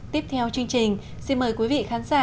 tiếp theo chương trình xin mời quý vị khán giả